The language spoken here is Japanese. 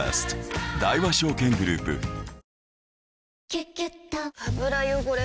「キュキュット」油汚れ